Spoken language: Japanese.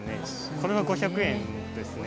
これは５００円ですね。